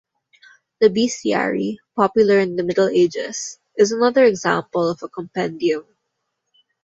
The bestiary, popular in the Middle Ages, is another example of a compendium.